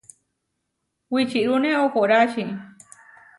Wičirúne ohórači.